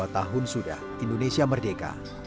tujuh puluh dua tahun sudah indonesia merdeka